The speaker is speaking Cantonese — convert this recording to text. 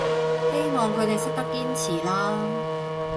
希望佢哋識得堅持啦